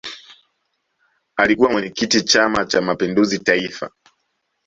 alikuwa mwenyekiti chama cha mapinduzi taifa